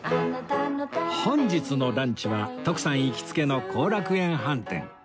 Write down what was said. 本日のランチは徳さん行きつけの後楽園飯店